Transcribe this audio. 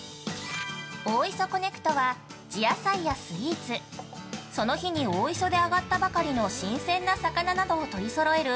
◆ＯＩＳＯＣＯＮＮＥＣＴは地野菜やスイーツ、その日に大磯で揚がったばかりの新鮮な魚などを取り揃える